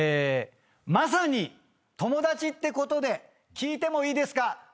マサに友達ってことで聞いてもいいですか？